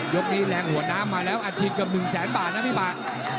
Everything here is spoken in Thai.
ยกนี้แรงหัวหน้ามาแล้วอาจทีกลับกับหนึ่งแสนบาทนะพี่ป๋า